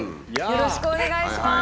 よろしくお願いします。